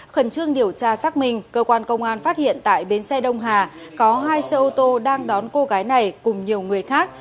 khẩn trương điều tra xác minh cơ quan công an phát hiện tại bến xe đông hà có hai xe ô tô đang đón cô gái này cùng nhiều người khác